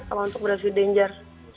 kalau untuk brush with danger